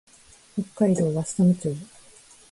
北海道和寒町